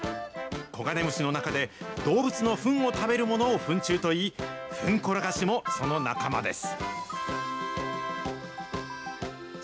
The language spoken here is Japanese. コガネムシの中で、動物のフンを食べるものをフン虫といい、フンコロガシもその仲間です。